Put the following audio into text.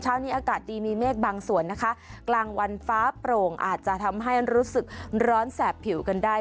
เช้านี้อากาศดีมีเมฆบางส่วนนะคะกลางวันฟ้าโปร่งอาจจะทำให้รู้สึกร้อนแสบผิวกันได้